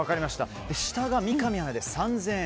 下が三上アナで３０００円。